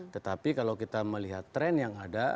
tetapi kalau kita melihat tren yang ada